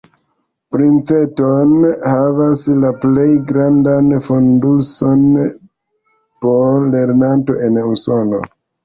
Princeton havas la plej grandan fonduson po lernanto en Usono.